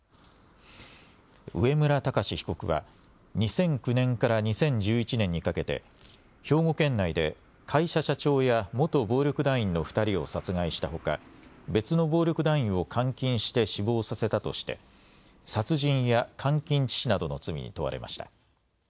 上村隆被告は２００９年から２０１１年にかけて兵庫県内で会社社長や元暴力団員の２人を殺害したほか別の暴力団員を監禁して死亡させたとして殺人や監禁致死などの罪に問われました。